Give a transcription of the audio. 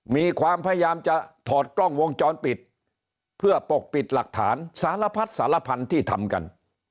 มีความพยายามจะถอดกล้องวงจรปิดเพื่อปกปิดหลักฐานสารพัดสารพันธุ์ที่ทำกัน